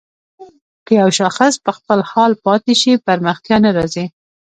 که يو شاخص په خپل حال پاتې شي پرمختيا نه راځي.